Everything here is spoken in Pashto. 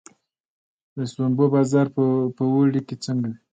د شړومبو بازار په اوړي کې څنګه وي؟